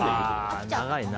長いな。